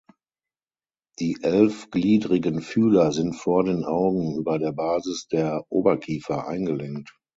Die elfgliedrigen Fühler sind vor den Augen über der Basis der Oberkiefer eingelenkt.